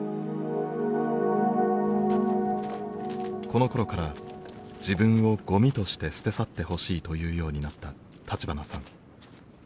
このころから自分をゴミとして捨て去ってほしいというようになった立花さん。